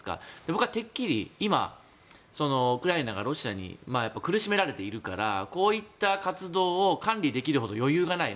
僕はてっきり今、ウクライナがロシアに苦しめられているからこういった活動を管理できるほど余裕がない。